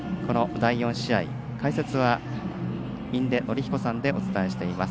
第４試合、解説は印出順彦さんでお伝えしています。